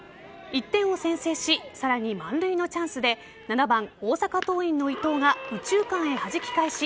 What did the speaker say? １点を先制しさらに満塁のチャンスで７番・大阪桐蔭の伊藤が右中間へはじき返し